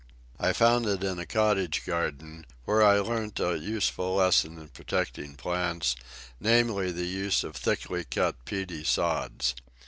I found it in a cottage garden, where I learnt a useful lesson in protecting plants, namely, the use of thickly cut peaty sods.